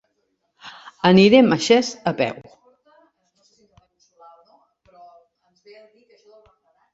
Anirem a Xest a peu.